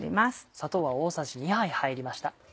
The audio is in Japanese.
砂糖は大さじ２杯入りました。